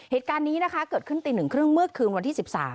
เหตุการณ์นี้นะคะเกิดขึ้นตี๑๓๐เมื่อคืนวันที่๑๓